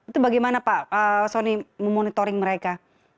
itu bagaimana pak soni memonitoring mereka